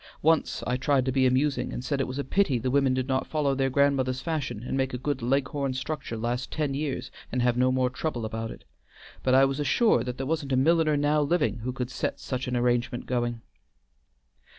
Once I tried to be amusing, and said it was a pity the women did not follow their grandmothers' fashion and make a good Leghorn structure last ten years and have no more trouble about it; but I was assured that there wasn't a milliner now living who could set such an arrangement going."